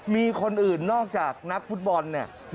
มีคนอื่นนอกจากนักฟุตบอลเนี่ย